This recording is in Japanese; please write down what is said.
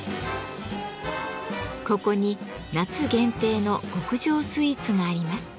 ここに夏限定の極上スイーツがあります。